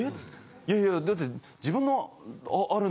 いやいやだって自分のあるのに。